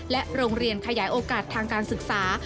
โรงเรียนขยายโอกาสทางการศึกษา